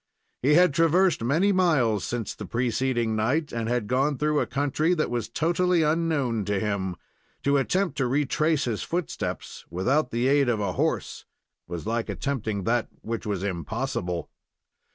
He had traversed many miles since the preceding night, and had gone through a country that was totally unknown to him. To attempt to retrace his footsteps without the aid of a horse was like attempting that which was impossible.